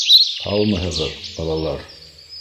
Һаумыһығыҙ, балалар!